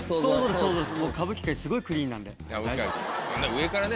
そうですね。